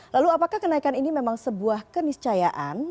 lalu apakah kenaikan ini memang sebuah keniscayaan